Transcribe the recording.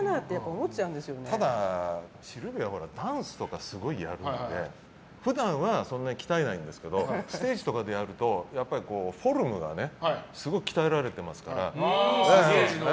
ただ、シルビアはダンスとかすごいやるので普段はそんなに鍛えないんですけどステージとかやるとフォルムがすごい鍛えられていますから。